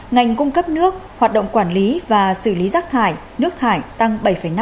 ngành cung cấp nước hoạt động quản lý và xử lý rác thải nước thải tăng bảy năm